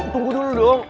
tunggu dulu dong